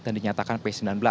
dan dinyatakan p sembilan belas